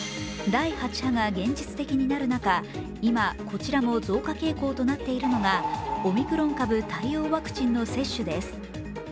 第８波が現実的になる中、今、こちらも増加傾向となっているのが、オミクロン株対応ワクチンの接種です。